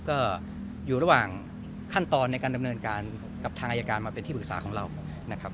ก็อยู่ระหว่างขั้นตอนในการดำเนินการกับทางอายการมาเป็นที่ปรึกษาของเรานะครับ